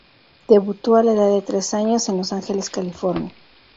Debutó a la edad de tres años en Los Ángeles, California.